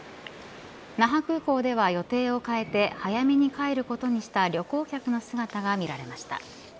那覇空港では予定を変えて早めに帰ることにした旅行客の姿が見られました。